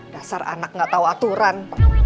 dasar anak gak tau aturan